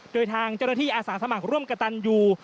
โดยทางเจ้าหน้าที่อาสาสมัครร่วมกระตันยู